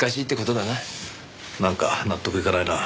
なんか納得いかないな。